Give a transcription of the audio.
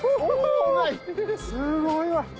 すごいわ。